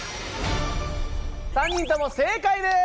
３人とも正解です。